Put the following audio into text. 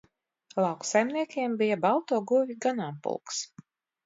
Lauksaimniekam bija balto govju ganāmpulks